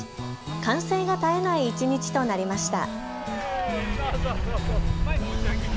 歓声が絶えない一日となりました。